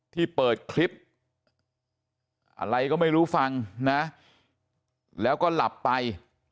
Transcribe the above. ที่เปิดคลิปอะไรก็ไม่รู้ฟังนะแล้วก็หลับไป